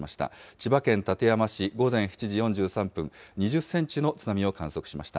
千葉県館山市、午前７時４３分、２０センチの津波を観測しました。